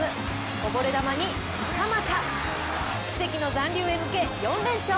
こぼれ球に袴田、奇跡の残留へ向け、４連勝。